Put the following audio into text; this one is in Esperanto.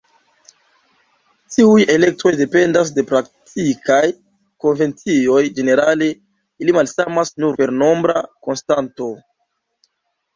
Tiuj elektoj dependas de praktikaj konvencioj, ĝenerale ili malsamas nur per nombra konstanto.